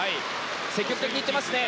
積極的に行っていますね。